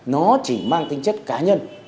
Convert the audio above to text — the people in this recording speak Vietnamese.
nó chỉ mang tính chất cá nhân